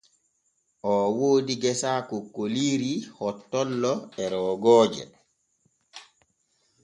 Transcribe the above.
Oo woodi gesa kokkoliiri, hottollo e roogooje.